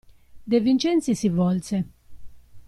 De Vincenzi si volse.